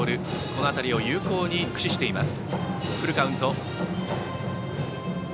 この辺りを有効に駆使しています。